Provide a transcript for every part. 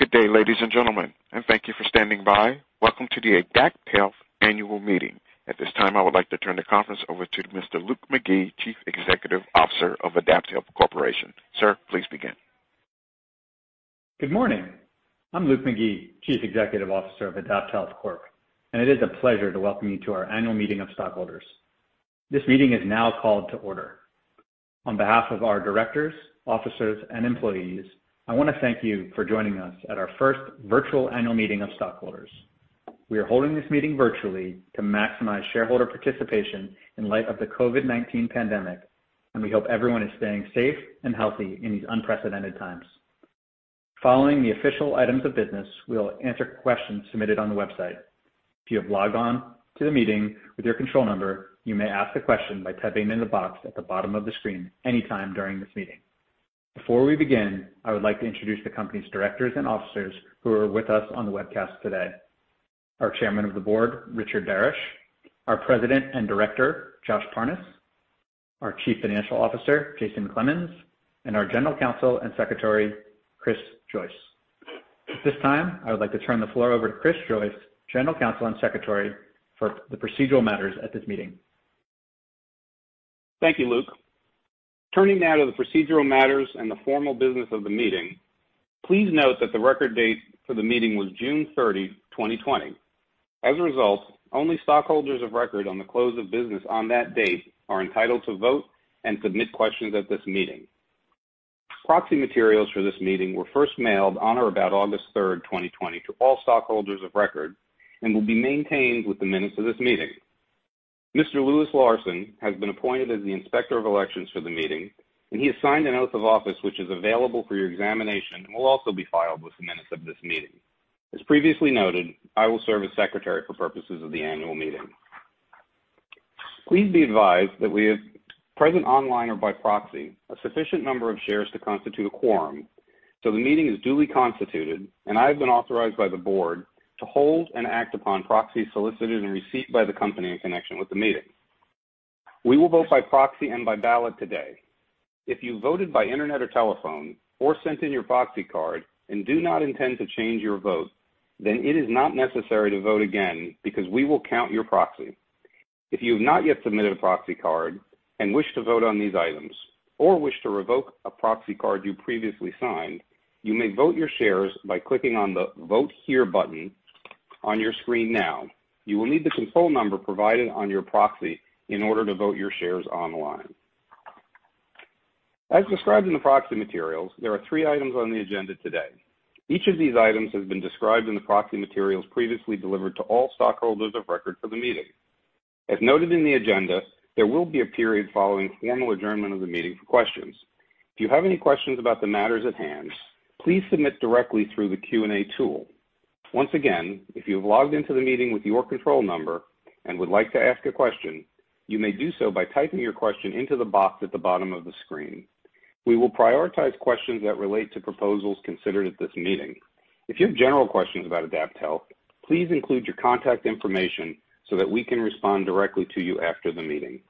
Good day, ladies and gentlemen, thank you for standing by. Welcome to the AdaptHealth Annual Meeting. At this time, I would like to turn the conference over to Mr. Luke McGee, Chief Executive Officer of AdaptHealth Corp. Sir, please begin. Good morning. I'm Luke McGee, Chief Executive Officer of AdaptHealth Corp. It is a pleasure to welcome you to our annual meeting of stockholders. This meeting is now called to order. On behalf of our directors, officers, and employees, I want to thank you for joining us at our first virtual annual meeting of stockholders. We are holding this meeting virtually to maximize shareholder participation in light of the COVID-19 pandemic, and we hope everyone is staying safe and healthy in these unprecedented times. Following the official items of business, we'll answer questions submitted on the website. If you have logged on to the meeting with your control number, you may ask a question by typing in the box at the bottom of the screen anytime during this meeting. Before we begin, I would like to introduce the company's Directors and Officers who are with us on the webcast today. Our Chairman of the Board, Richard Barasch, our President and Director, Josh Parnes, our Chief Financial Officer, Jason Clemens, and our General Counsel and Secretary, Chris Joyce. At this time, I would like to turn the floor over to Chris Joyce, General Counsel and Secretary, for the procedural matters at this meeting. Thank you, Luke. Turning now to the procedural matters and the formal business of the meeting. Please note that the record date for the meeting was June 30, 2020. As a result, only stockholders of record on the close of business on that date are entitled to vote and submit questions at this meeting. Proxy materials for this meeting were first mailed on or about August 3rd, 2020 to all stockholders of record and will be maintained with the minutes of this meeting. Mr. Louis Larson has been appointed as the Inspector of Elections for the meeting, and he has signed an oath of office, which is available for your examination and will also be filed with the minutes of this meeting. As previously noted, I will serve as Secretary for purposes of the annual meeting. Please be advised that we have present online or by proxy a sufficient number of shares to constitute a quorum, so the meeting is duly constituted, and I have been authorized by the board to hold and act upon proxies solicited and received by the company in connection with the meeting. We will vote by proxy and by ballot today. If you voted by internet or telephone or sent in your proxy card and do not intend to change your vote, then it is not necessary to vote again because we will count your proxy. If you have not yet submitted a proxy card and wish to vote on these items or wish to revoke a proxy card you previously signed, you may vote your shares by clicking on the Vote Here button on your screen now. You will need the control number provided on your proxy in order to vote your shares online. As described in the proxy materials, there are three items on the agenda today. Each of these items has been described in the proxy materials previously delivered to all stockholders of record for the meeting. As noted in the agenda, there will be a period following formal adjournment of the meeting for questions. If you have any questions about the matters at hand, please submit directly through the Q&A tool. Once again, if you have logged into the meeting with your control number and would like to ask a question, you may do so by typing your question into the box at the bottom of the screen. We will prioritize questions that relate to proposals considered at this meeting. If you have general questions about AdaptHealth, please include your contact information so that we can respond directly to you after the meeting.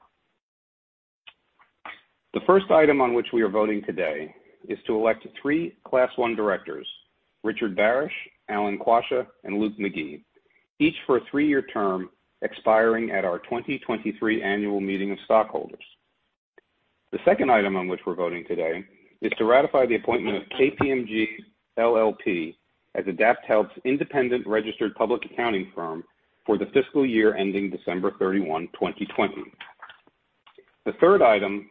The first item on which we are voting today is to elect 3 Class I directors, Richard Barash, Alan Quasha, and Luke McGee, each for a 3-year term expiring at our 2023 annual meeting of stockholders. The second item on which we're voting today is to ratify the appointment of KPMG LLP as AdaptHealth's independent registered public accounting firm for the fiscal year ending December 31, 2020. The third item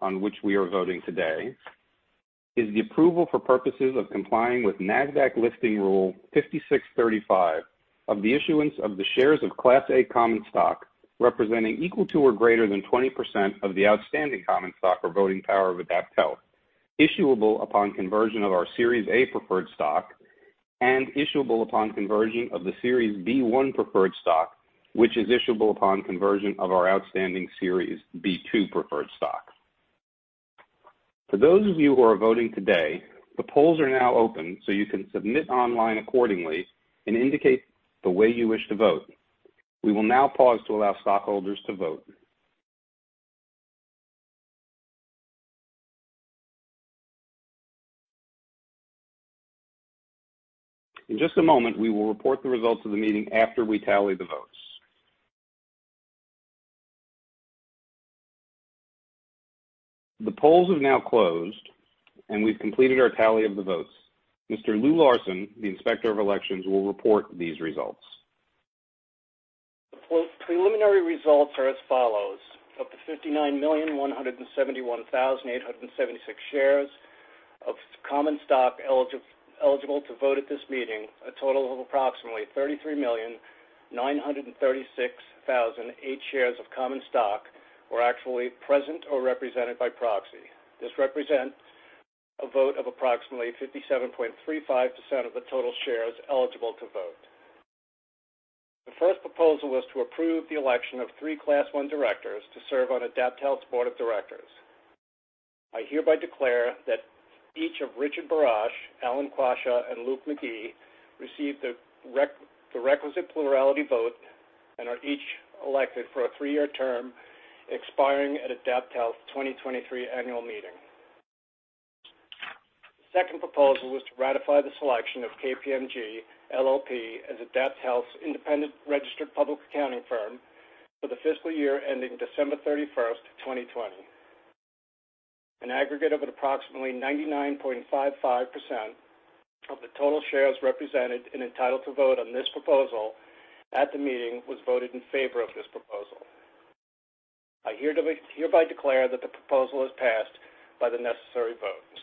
on which we are voting today is the approval for purposes of complying with NASDAQ Listing Rule 5635 of the issuance of the shares of Class A common stock, representing equal to or greater than 20% of the outstanding common stock or voting power of AdaptHealth, issuable upon conversion of our Series A preferred stock and issuable upon conversion of the Series B1 preferred stock, which is issuable upon conversion of our outstanding Series B2 preferred stock. For those of you who are voting today, the polls are now open, so you can submit online accordingly and indicate the way you wish to vote. We will now pause to allow stockholders to vote. In just a moment, we will report the results of the meeting after we tally the votes. The polls have now closed, and we've completed our tally of the votes. Mr. Lou Larson, the Inspector of Elections, will report these results. The preliminary results are as follows. Of the 59,171,876 shares of common stock eligible to vote at this meeting, a total of approximately 33,936,008 shares of common stock were actually present or represented by proxy. This represents a vote of approximately 57.35% of the total shares eligible to vote. The first proposal was to approve the election of 3 Class I directors to serve on AdaptHealth's Board of Directors. I hereby declare that each of Richard Barash, Alan Quasha, and Luke McGee received the requisite plurality vote Are each elected for a three-year term expiring at AdaptHealth 2023 annual meeting. The second proposal was to ratify the selection of KPMG LLP as AdaptHealth's independent registered public accounting firm for the fiscal year ending December 31, 2020. An aggregate of approximately 99.55% of the total shares represented and entitled to vote on this proposal at the meeting was voted in favor of this proposal. I hereby declare that the proposal is passed by the necessary votes.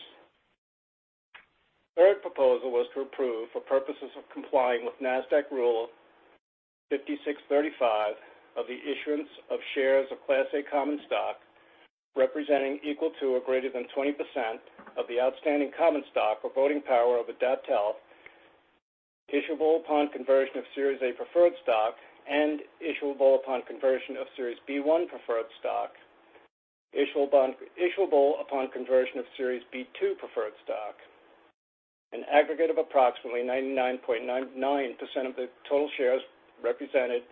Third proposal was to approve for purposes of complying with NASDAQ Listing Rule 5635 of the issuance of shares of Class A common stock, representing equal to or greater than 20% of the outstanding common stock or voting power of AdaptHealth, issuable upon conversion of Series A preferred stock and issuable upon conversion of Series B1 preferred stock, issuable upon conversion of Series B2 preferred stock. An aggregate of approximately 99.99% of the total shares represented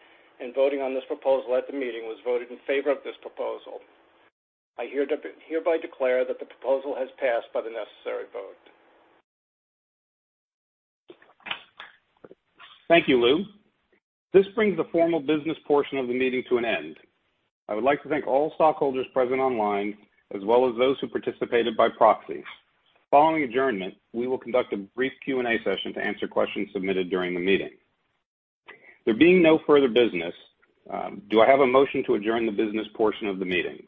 in voting on this proposal at the meeting was voted in favor of this proposal. I hereby declare that the proposal has passed by the necessary vote. Thank you, Lou. This brings the formal business portion of the meeting to an end. I would like to thank all stockholders present online, as well as those who participated by proxies. Following adjournment, we will conduct a brief Q&A session to answer questions submitted during the meeting. There being no further business, do I have a motion to adjourn the business portion of the meeting?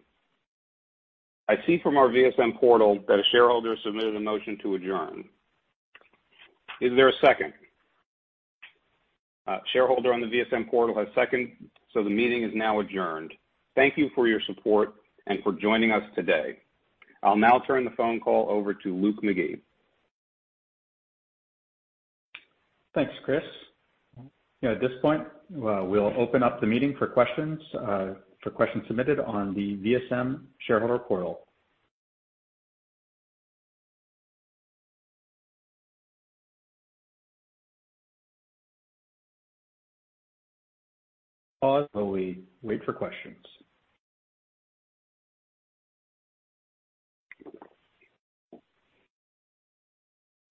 I see from our VSM portal that a shareholder submitted a motion to adjourn. Is there a second? A shareholder on the VSM portal has second, the meeting is now adjourned. Thank you for your support and for joining us today. I'll now turn the phone call over to Luke McGee. Thanks, Chris. At this point, we'll open up the meeting for questions submitted on the VSM shareholder portal. Pause while we wait for questions.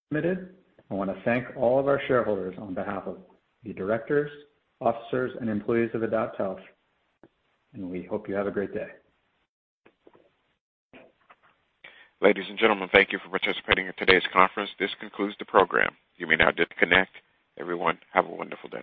Submitted. I want to thank all of our shareholders on behalf of the directors, officers, and employees of AdaptHealth, and we hope you have a great day. Ladies and gentlemen, thank you for participating in today's conference. This concludes the program. You may now disconnect. Everyone, have a wonderful day.